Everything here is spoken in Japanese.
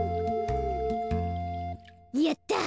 やった！